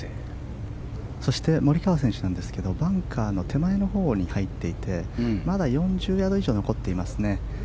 そして、モリカワ選手ですけどバンカーの手前のほうに入っていてまだ４０ヤード以上残っています。